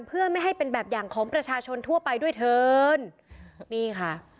เพื่อไม่ให้เป็นแบบอย่างของประชาชนทั่วไปด้วยเถินนี่ค่ะ